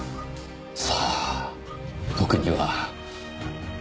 さあ僕には。